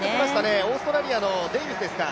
オーストラリアのデイビスですか。